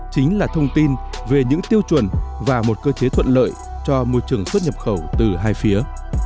chính là thông tin về những tiêu chuẩn và một cơ chế thuận lợi cho môi trường xuất nhập khẩu từ hai phía